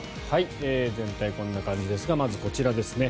全体、こんな感じですがまずこちらですね。